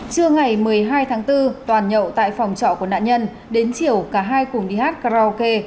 trưa ngày một mươi hai tháng bốn toàn nhậu tại phòng trọ của nạn nhân đến chiều cả hai cùng đi hát karaoke